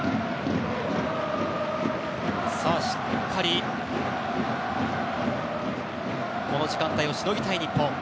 しっかりこの時間帯をしのぎたい日本。